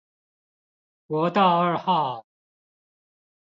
國道二號